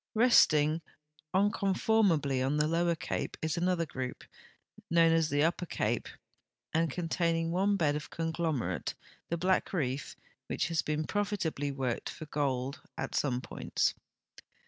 Resting unconformably on the Lower Cape is another grou]) known as the Upper Cai)e and containing one bed of conglom erate, the Black Reef, which has been profitabl}'' worked for gold at .some points.